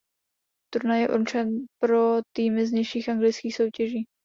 Turnaj je určen pro týmy z nižších anglických soutěží.